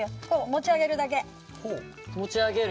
持ち上げるだけ。